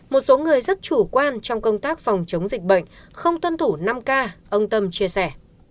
một số người rất chủ quan trong công tác phòng chống dịch bệnh không tuân thủ năm k ông tâm chia sẻ